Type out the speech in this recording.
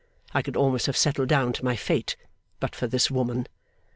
I could almost have settled down to my fate but for this woman.